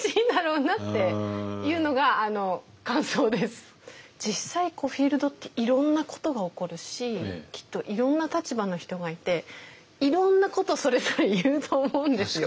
聞いてると多分実際実際フィールドっていろんなことが起こるしきっといろんな立場の人がいていろんなことをそれぞれ言うと思うんですよ。